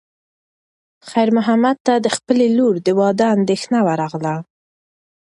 خیر محمد ته د خپلې لور د واده اندېښنه ورغله.